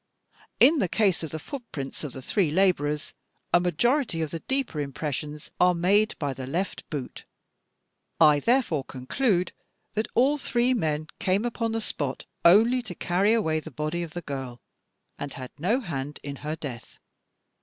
" In the case of the footprints of the three labourers, a majority of the deeper impressions are made by the left boot. "I therefore conclude that all three men came upon the spot only to carry away the body of the girl, and had no hand in her death.